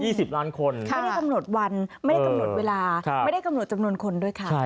คนไม่ได้กำหนดวันไม่ได้กำหนดเวลาไม่ได้กำหนดจำนวนคนด้วยค่ะ